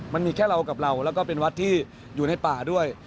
มันมีแค่เรากับเราแล้วก็เป็นวัดที่อยู่ในป่าด้วย